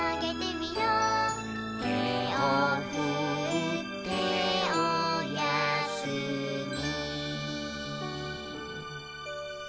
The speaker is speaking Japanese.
「てをふっておやすみ」